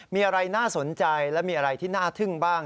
มีอะไรน่าสนใจและมีอะไรที่น่าทึ่งบ้าง